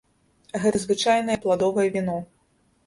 Гэта звычайнае пладовае віно.